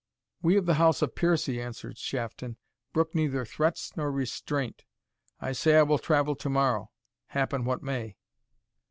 "We of the house of Piercie," answered Shafton, "brook neither threats nor restraint I say I will travel to morrow, happen what may!"